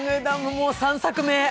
もう３作目。